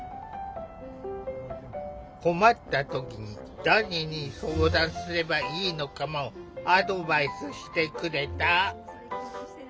困った時に誰に相談すればいいのかもアドバイスしてくれた。